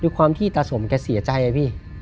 ความที่ตาสมแกเสียใจอะพี่